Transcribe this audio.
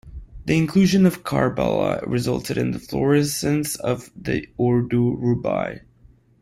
The inclusion of Karbala resulted in the florescence of the Urdu Rubai.